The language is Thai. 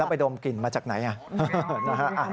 ไปดมกลิ่นมาจากไหน